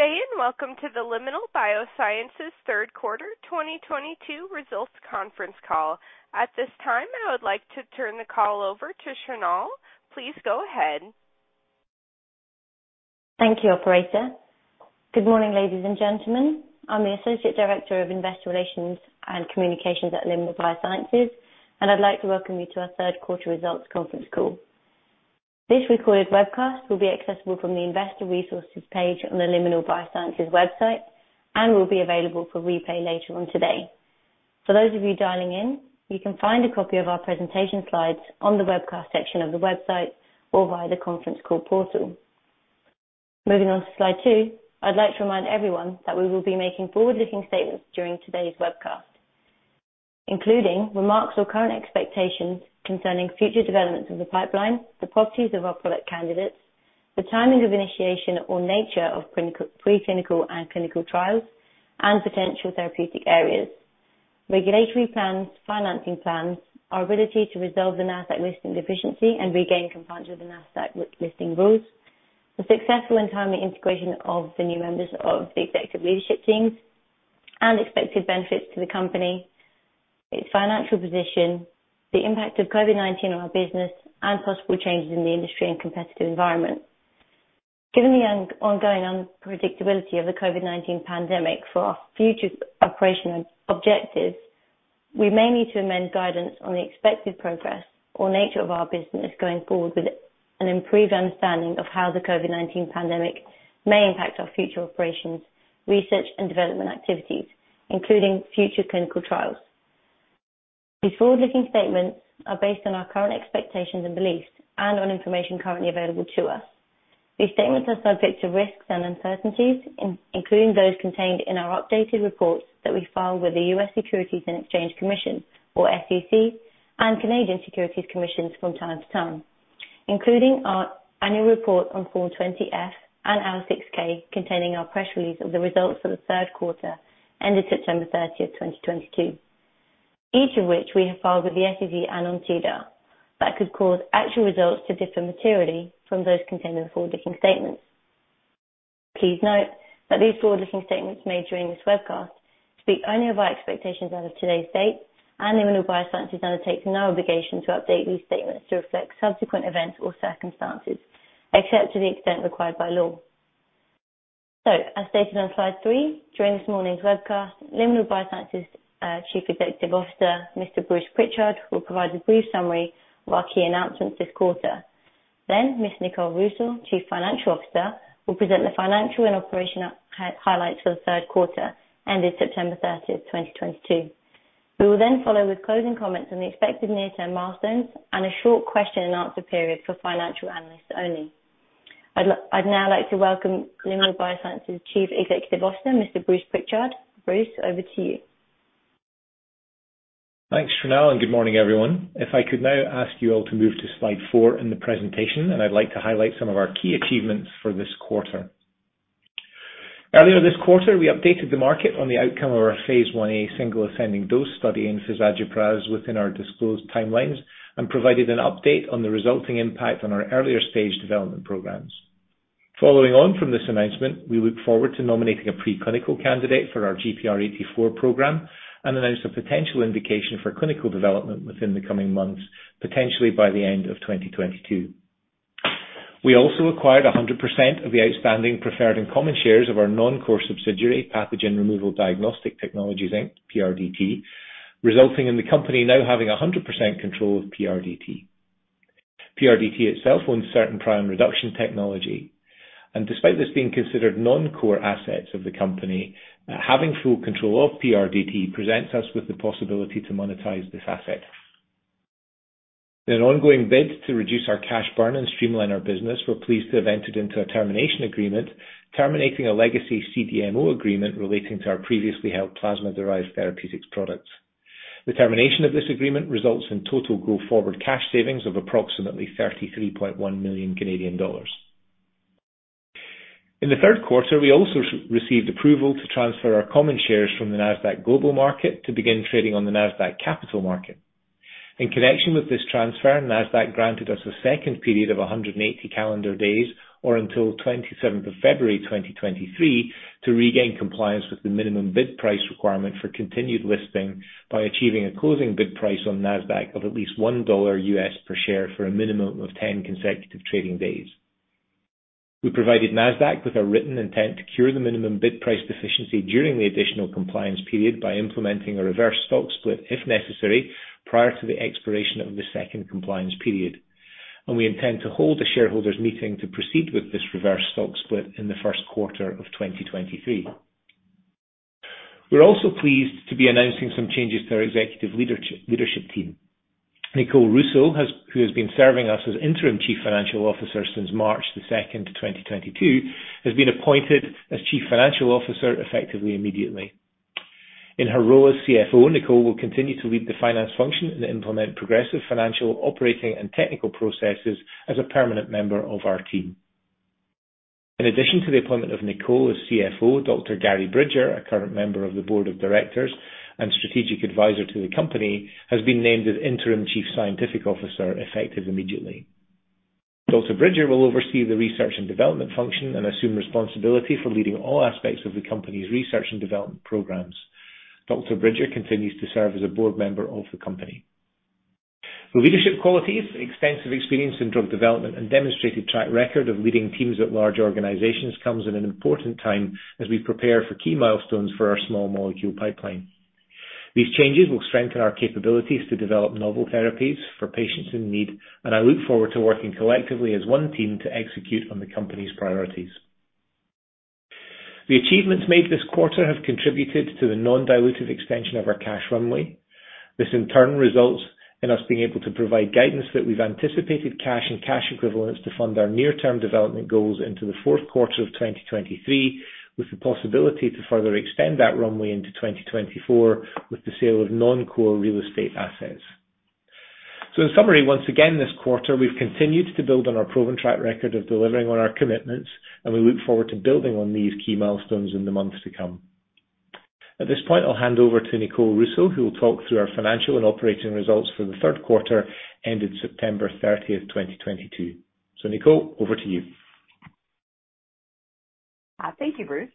Good day, and welcome to the Liminal BioSciences third quarter 2022 results conference call. At this time, I would like to turn the call over to Shrinal. Please go ahead. Thank you, operator. Good morning, ladies and gentlemen. I'm the Associate Director of Investor Relations and Communications at Liminal BioSciences, and I'd like to welcome you to our third quarter results conference call. This recorded webcast will be accessible from the investor resources page on the Liminal BioSciences website and will be available for replay later on today. For those of you dialing in, you can find a copy of our presentation slides on the webcast section of the website or via the conference call portal. Moving on to slide two. I'd like to remind everyone that we will be making forward-looking statements during today's webcast, including remarks or current expectations concerning future developments of the pipeline, the properties of our product candidates, the timing of initiation or nature of preclinical and clinical trials and potential therapeutic areas. Regulatory plans, financing plans, our ability to resolve the Nasdaq listing deficiency and regain compliance with the Nasdaq listing rules. The successful and timely integration of the new members of the executive leadership teams and expected benefits to the company, its financial position, the impact of COVID-19 on our business, and possible changes in the industry and competitive environment. Given the ongoing unpredictability of the COVID-19 pandemic for our future operational objectives, we may need to amend guidance on the expected progress or nature of our business going forward with an improved understanding of how the COVID-19 pandemic may impact our future operations, research and development activities, including future clinical trials. These forward-looking statements are based on our current expectations and beliefs and on information currently available to us. These statements are subject to risks and uncertainties, including those contained in our updated reports that we file with the US Securities and Exchange Commission or SEC and Canadian Securities Administrators from time to time, including our annual report on Form 20-F and our 6-K containing our press release of the results for the third quarter ended September 30, 2022. Each of which we have filed with the SEC and on SEDAR, that could cause actual results to differ materially from those contained in the forward-looking statements. Please note that these forward-looking statements made during this webcast speak only of our expectations as of today's date and Liminal BioSciences undertakes no obligation to update these statements to reflect subsequent events or circumstances, except to the extent required by law. As stated on slide three, during this morning's webcast, Liminal BioSciences Chief Executive Officer, Mr. Bruce Pritchard will provide a brief summary of our key announcements this quarter. Ms. Nicole Rusaw, Chief Financial Officer, will present the financial and operational highlights for the third quarter ended September 30, 2022. We will then follow with closing comments on the expected near-term milestones and a short question and answer period for financial analysts only. I'd now like to welcome Liminal BioSciences Chief Executive Officer, Mr. Bruce Pritchard. Bruce, over to you. Thanks, Sonal, and good morning, everyone. If I could now ask you all to move to slide four in the presentation, and I'd like to highlight some of our key achievements for this quarter. Earlier this quarter, we updated the market on the outcome of our phase I-A single ascending dose study in fezagepras within our disclosed timelines, and provided an update on the resulting impact on our earlier stage development programs. Following on from this announcement, we look forward to nominating a preclinical candidate for our GPR84 program and announce a potential indication for clinical development within the coming months, potentially by the end of 2022. We also acquired 100% of the outstanding preferred and common shares of our non-core subsidiary, Pathogen Removal Diagnostic Technologies Inc., PRDT, resulting in the company now having 100% control of PRDT. PRDT itself owns certain prion reduction technology, and despite this being considered non-core assets of the company, having full control of PRDT presents us with the possibility to monetize this asset. In an ongoing bid to reduce our cash burn and streamline our business, we're pleased to have entered into a termination agreement terminating a legacy CDMO agreement relating to our previously held plasma-derived therapeutics products. The termination of this agreement results in total go forward cash savings of approximately 33.1 million Canadian dollars. In the third quarter, we also received approval to transfer our common shares from the Nasdaq Global Market to begin trading on the Nasdaq Capital Market. In connection with this transfer, Nasdaq granted us a second period of 180 calendar days or until February 27th 2023, to regain compliance with the minimum bid price requirement for continued listing by achieving a closing bid price on Nasdaq of at least $1 U.S. per share for a minimum of 10 consecutive trading days. We provided Nasdaq with a written intent to cure the minimum bid price deficiency during the additional compliance period by implementing a reverse stock split, if necessary, prior to the expiration of the second compliance period. We intend to hold a shareholders' meeting to proceed with this reverse stock split in the first quarter of 2023. We're also pleased to be announcing some changes to our executive leadership team. Nicole Rusaw, who has been serving us as Interim Chief Financial Officer since March 2nd, 2022, has been appointed as Chief Financial Officer, effective immediately. In her role as Chief Financial Officer, Nicole will continue to lead the finance function and implement progressive financial operating and technical processes as a permanent member of our team. In addition to the appointment of Nicole as Chief Financial Officer, Dr. Gary Bridger, a current member of the Board of Directors and strategic advisor to the company, has been named as Interim Chief Scientific Officer, effective immediately. Dr. Bridger will oversee the research and development function and assume responsibility for leading all aspects of the company's research and development programs. Dr. Bridger continues to serve as a board member of the company. Her leadership qualities, extensive experience in drug development, and demonstrated track record of leading teams at large organizations comes at an important time as we prepare for key milestones for our small molecule pipeline. These changes will strengthen our capabilities to develop novel therapies for patients in need, and I look forward to working collectively as one team to execute on the company's priorities. The achievements made this quarter have contributed to the non-dilutive extension of our cash runway. This, in turn, results in us being able to provide guidance that we've anticipated cash and cash equivalents to fund our near-term development goals into the fourth quarter of 2023, with the possibility to further extend that runway into 2024 with the sale of non-core real estate assets. In summary, once again this quarter, we've continued to build on our proven track record of delivering on our commitments, and we look forward to building on these key milestones in the months to come. At this point, I'll hand over to Nicole Rusaw, who will talk through our financial and operating results for the third quarter ended September 30th, 2022. Nicole, over to you. Thank you, Bruce.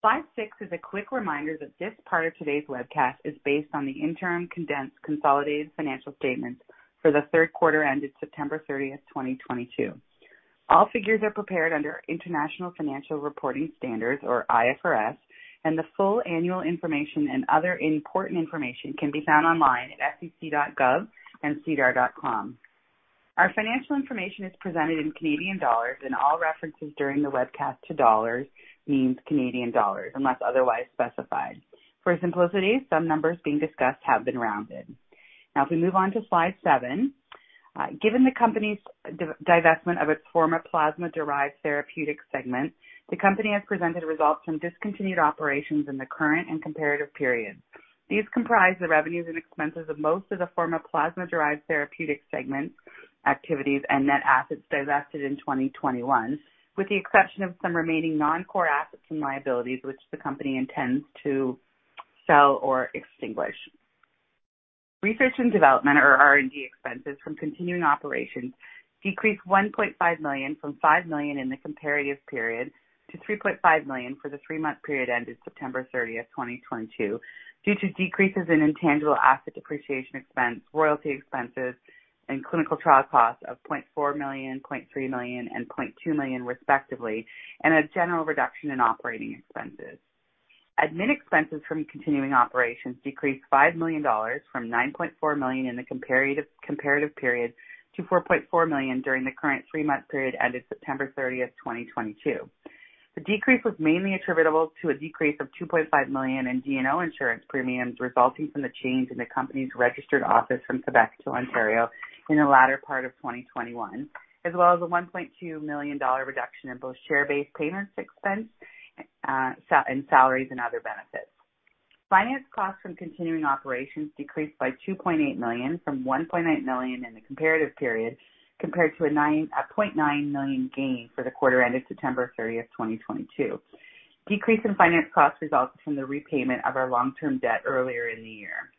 Slide six is a quick reminder that this part of today's webcast is based on the interim condensed consolidated financial statements for the third quarter ended September 30th, 2022. All figures are prepared under International Financial Reporting Standards, or IFRS, and the full annual information and other important information can be found online at sec.gov and sedar.com. Our financial information is presented in Canadian dollars, and all references during the webcast to dollars means Canadian dollars, unless otherwise specified. For simplicity, some numbers being discussed have been rounded. Now if we move on to slide seven, given the company's divestment of its former plasma-derived therapeutics segment, the company has presented results from discontinued operations in the current and comparative periods. These comprise the revenues and expenses of most of the former plasma-derived therapeutics segment activities and net assets divested in 2021, with the exception of some remaining non-core assets and liabilities which the company intends to sell or extinguish. Research and development, or R&D, expenses from continuing operations decreased 1.5 million from 5 million in the comparative period to 3.5 million for the three-month period ended September 30th, 2022, due to decreases in intangible asset depreciation expense, royalty expenses, and clinical trial costs of 0.4 million, 0.3 million, and 0.2 million respectively, and a general reduction in operating expenses. Admin expenses from continuing operations decreased 5 million dollars from 9.4 million in the comparative period to 4.4 million during the current three-month period ended September 30th, 2022. The decrease was mainly attributable to a decrease of 2.5 million in D&O insurance premiums resulting from the change in the company's registered office from Quebec to Ontario in the latter part of 2021, as well as a 1.2 million dollar reduction in both share-based payments expense in salaries and other benefits. Finance costs from continuing operations decreased by 2.8 million from 1.8 million in the comparative period compared to a 0.9 million gain for the quarter ended September 30th, 2022. Decrease in finance costs resulted from the repayment of our long-term debt earlier in the year.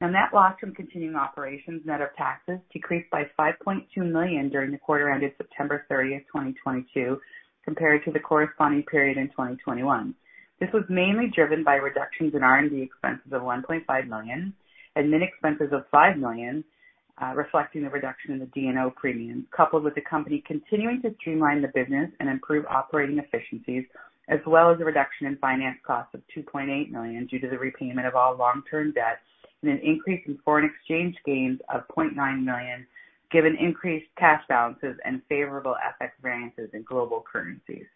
The net loss from continuing operations, net of taxes, decreased by 5.2 million during the quarter ended September 30th, 2022, compared to the corresponding period in 2021. This was mainly driven by reductions in R&D expenses of 1.5 million, admin expenses of 5 million, reflecting the reduction in the D&O premiums, coupled with the company continuing to streamline the business and improve operating efficiencies, as well as a reduction in finance costs of 2.8 million due to the repayment of all long-term debts and an increase in foreign exchange gains of 0.9 million given increased cash balances and favorable FX variances in global currencies.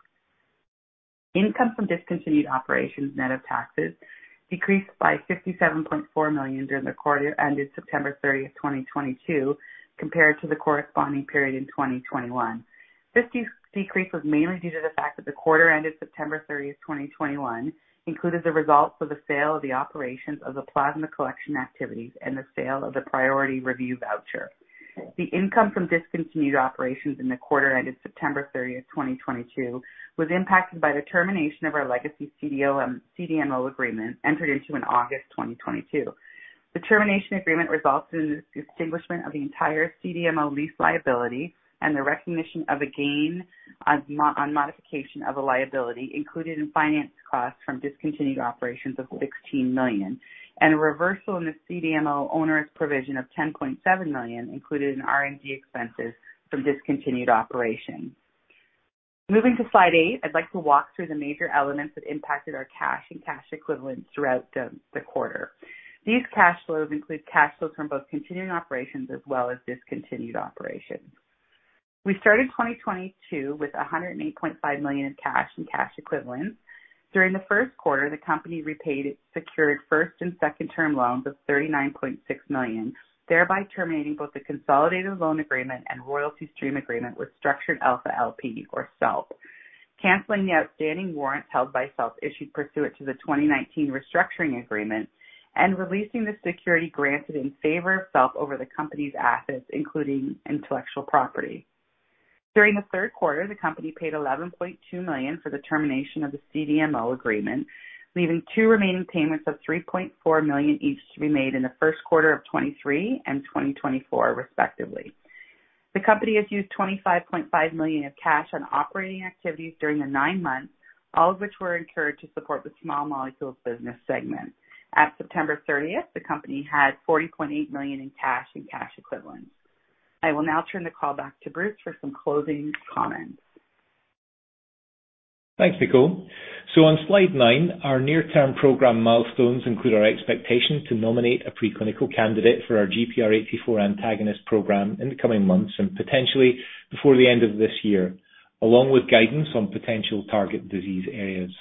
Income from discontinued operations, net of taxes, decreased by 57.4 million during the quarter ended September 30th, 2022, compared to the corresponding period in 2021. This decrease was mainly due to the fact that the quarter ended September 30, 2021, included the results of the sale of the operations of the plasma collection activities and the sale of the priority review voucher. The income from discontinued operations in the quarter ended September 30, 2022, was impacted by the termination of our legacy CDMO agreement entered into in August 2022. The termination agreement resulted in the extinguishment of the entire CDMO lease liability and the recognition of a gain on modification of a liability included in finance costs from discontinued operations of 16 million, and a reversal in the CDMO owner's provision of 10.7 million included in R&D expenses from discontinued operations. Moving to slide eight, I'd like to walk through the major elements that impacted our cash and cash equivalents throughout the quarter. These cash flows include cash flows from both continuing operations as well as discontinued operations. We started 2022 with 108.5 million in cash and cash equivalents. During the first quarter, the company repaid its secured first and second-term loans of 39.6 million, thereby terminating both the consolidated loan agreement and royalty stream agreement with Structured Alpha LP or SALP, canceling the outstanding warrants held by SALP issued pursuant to the 2019 restructuring agreement and releasing the security granted in favor of SALP over the company's assets, including intellectual property. During the third quarter, the company paid 11.2 million for the termination of the CDMO agreement, leaving two remaining payments of 3.4 million each to be made in the first quarter of 2023 and 2024 respectively. The company has used 25.5 million of cash on operating activities during the nine months, all of which were incurred to support the small molecules business segment. At September 30th, the company had 40.8 million in cash and cash equivalents. I will now turn the call back to Bruce for some closing comments. Thanks, Nicole. On slide nine, our near-term program milestones include our expectation to nominate a preclinical candidate for our GPR84 antagonist program in the coming months and potentially before the end of this year, along with guidance on potential target disease areas.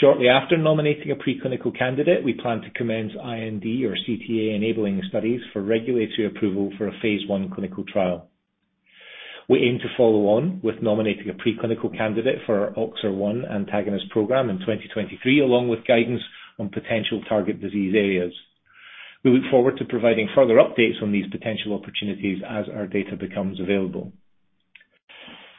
Shortly after nominating a preclinical candidate, we plan to commence IND or CTA enabling studies for regulatory approval for a phase I clinical trial. We aim to follow on with nominating a preclinical candidate for our OXER1 antagonist program in 2023, along with guidance on potential target disease areas. We look forward to providing further updates on these potential opportunities as our data becomes available.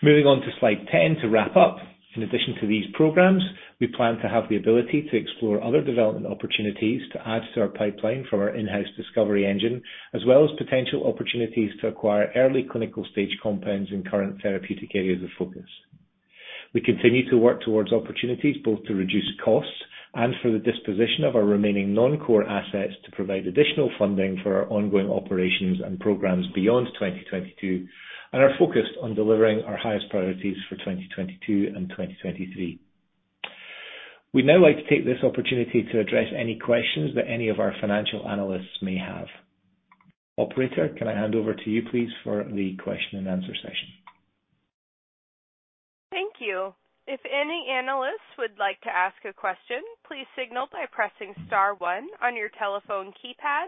Moving on to Slide 10 to wrap up. In addition to these programs, we plan to have the ability to explore other development opportunities to add to our pipeline from our in-house discovery engine, as well as potential opportunities to acquire early clinical stage compounds in current therapeutic areas of focus. We continue to work towards opportunities both to reduce costs and for the disposition of our remaining non-core assets to provide additional funding for our ongoing operations and programs beyond 2022, and are focused on delivering our highest priorities for 2022 and 2023. We'd now like to take this opportunity to address any questions that any of our financial analysts may have. Operator, can I hand over to you, please, for the question and answer session? Thank you. If any analysts would like to ask a question, please signal by pressing star one on your telephone keypad.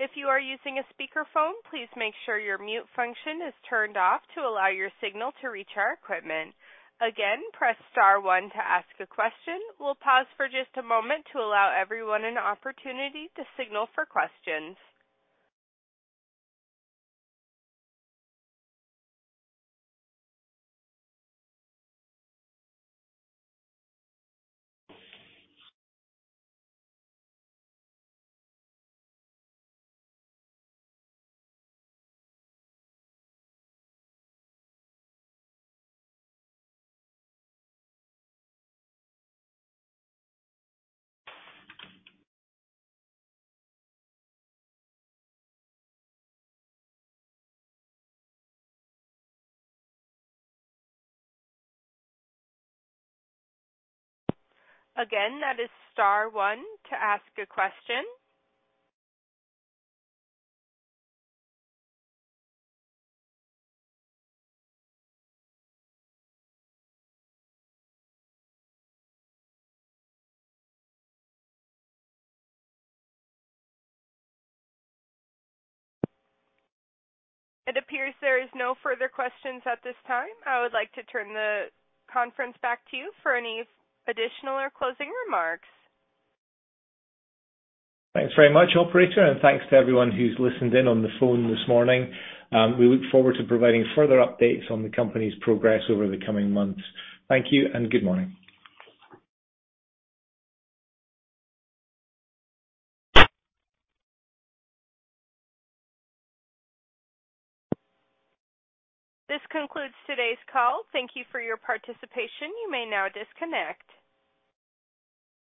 If you are using a speakerphone, please make sure your mute function is turned off to allow your signal to reach our equipment. Again, press star one to ask a question. We'll pause for just a moment to allow everyone an opportunity to signal for questions. Again, that is star one to ask a question. It appears there is no further questions at this time. I would like to turn the conference back to you for any additional or closing remarks. Thanks very much, operator, and thanks to everyone who's listened in on the phone this morning. We look forward to providing further updates on the company's progress over the coming months. Thank you and good morning. This concludes today's call. Thank you for your participation. You may now disconnect.